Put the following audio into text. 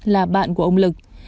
là bạn của ông lực